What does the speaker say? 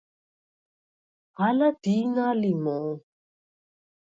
ალა დი̄ნა ლი მო̄?